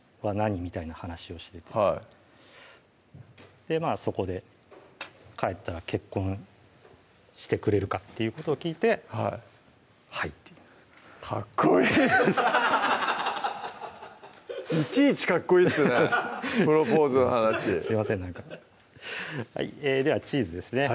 みたいな話をしててでまぁそこで「帰ったら結婚してくれるか」っていうことを聞いて「はい」ってかっこいいいちいちかっこいいですねプロポーズの話すいませんなんかではチーズですね